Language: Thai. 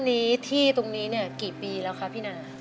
นี่ที่ตรงนี้เนี่ยกี่ปีแล้วครับนาน